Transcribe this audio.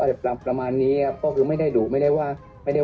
จะประมาณนี้ครับก็คือไม่ได้ดุไม่ได้ว่าไม่ได้